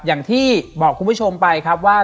อย่างที่บอกคุณผู้ชมไปครับว่า